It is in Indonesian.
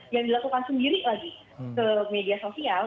yang dilakukan sendiri lagi ke media sosial